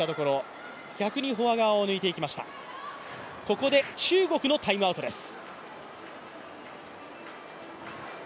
ここで中国のタイムアウトです。